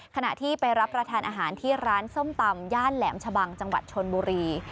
ขณะที่ไปรับประทานอาหารที่ร้านส้มตำย่านแหลมชะบังจังหวัดชนบุรี